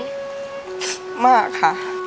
ก็กลับมากค่ะ